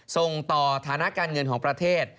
ส่งต่อฐานะการเงินของประเทศ